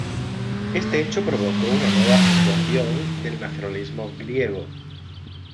Este hecho provocó una nueva acentuación del nacionalismo griego.